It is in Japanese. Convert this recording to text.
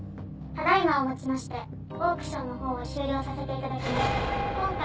「ただ今をもちましてオークションのほうを終了させて頂きます」